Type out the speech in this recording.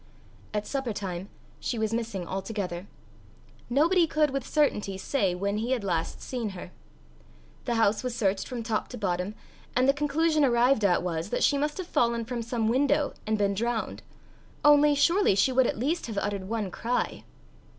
At supper time she was missing altogether. Nobody could with certainty say when he had last seen her. The house was searched from top to bottom, and the conclusion arrived at was, that she must have fallen from some window and been drowned only, surely she would at least have uttered one cry!